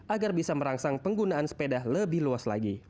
agar bisa merangsang penggunaan sepeda lebih luas lagi